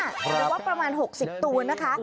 หรือว่าประมาณ๖๐ตัวนะคะ